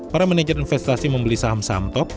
para manajer investasi membeli saham saham top